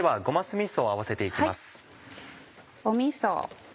みそ。